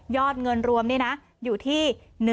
เงินรวมนี่นะอยู่ที่